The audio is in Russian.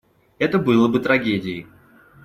Это было бы трагедией.